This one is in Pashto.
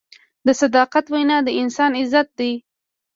د صداقت وینا د انسان عزت دی.